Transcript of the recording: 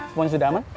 semuanya sudah aman